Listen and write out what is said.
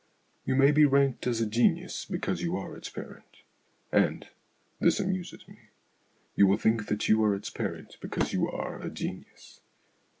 You may be ranked as a genius because you are its parent, and (this amuses me) you will think that you are its parent because you are a genius.